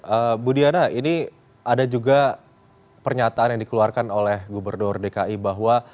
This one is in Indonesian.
ibu diana ini ada juga pernyataan yang dikeluarkan oleh gubernur dki bahwa